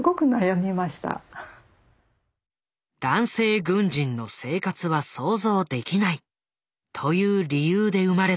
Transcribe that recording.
男性軍人の生活は想像できないという理由で生まれたオスカル。